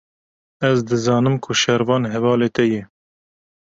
Ez dizanim ku Şervan hevalê te ye.